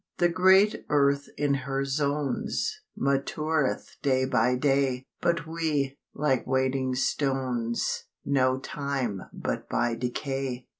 The great earth in her zones Matureth day by day; But we, like waiting stones, Know time but by decay.